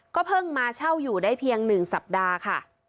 เพิ่งมาเช่าอยู่ได้เพียง๑สัปดาห์ค่ะ